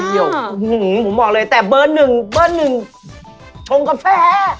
เบอร์๑ชงกาแฟ